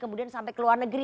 kemudian sampai ke luar negeri